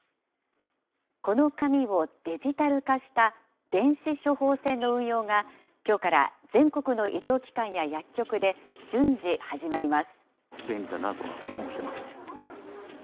この紙をデジタル化した電子処方箋の運用が、きょうから全国の医療機関や薬局で順次、始まります。